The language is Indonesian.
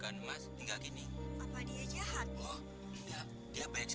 kak mungkin kakak istirahat ya